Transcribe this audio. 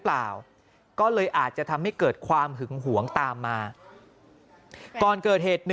เปล่าก็เลยอาจจะทำให้เกิดความหึงหวงตามมาก่อนเกิดเหตุ๑